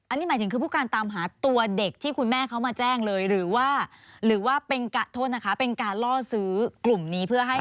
อันนี้หมายถึงคือผู้การตามหาตัวเด็กที่คุณแม่เขามาแจ้งเลยหรือว่าหรือว่าเป็นโทษนะคะเป็นการล่อซื้อกลุ่มนี้เพื่อให้